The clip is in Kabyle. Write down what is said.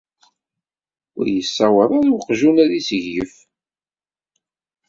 Ur yessaweḍ ara weqjun ad iseglef.